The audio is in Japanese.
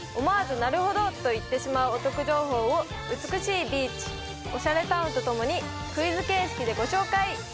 思わず「なるほど！」と言ってしまうお得情報を美しいビーチオシャレタウンとともにクイズ形式でご紹介！